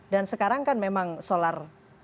dan sekarang kan memang solar